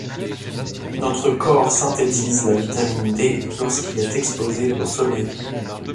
Notre corps synthétise la vitamine D lorsqu'il est exposé au soleil.